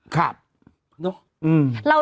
ครับ